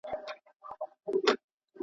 تاسو به د خپل ذهن د سکون لپاره ذکر کوئ.